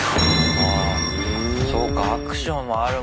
ああそうかアクションもあるもんねぇ。